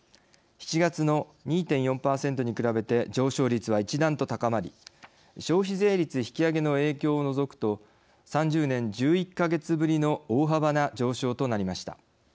７月の２．４％に比べて上昇率は一段と高まり消費税率引き上げの影響を除くと３０年１１か月ぶりの大幅な上昇となりました。